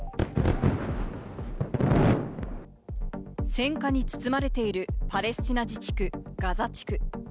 戦火に包まれている、パレスチナ自治区ガザ地区。